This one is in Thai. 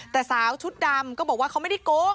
แต่สาวชุดดำก็บอกว่าเขาไม่ได้โกง